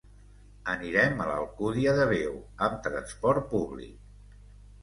Anirem a l'Alcúdia de Veo amb transport públic.